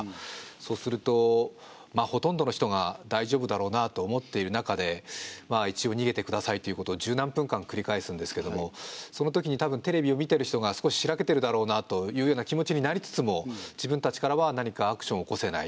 そうするとほとんどの人が大丈夫だろうなと思っている中で一応逃げてくださいということを十何分間繰り返すんですけどもそのときにたぶんテレビを見てる人が少ししらけてるだろうなというような気持ちになりつつも自分たちからは何かアクションを起こせない。